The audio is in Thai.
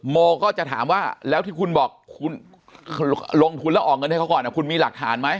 โมก็จะถามว่าแล้วที่คุณบอกคุณลงทุนแล้วออกเงินให้เขาก่อนคุณมีหลักฐานไหม